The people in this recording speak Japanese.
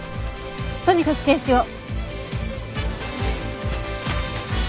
とにかく検視を。